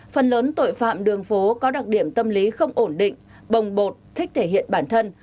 phạm đường phố có đặc điểm tâm lý không ổn định bồng bột thích thể hiện bản thân